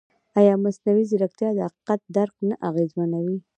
ایا مصنوعي ځیرکتیا د حقیقت درک نه اغېزمنوي؟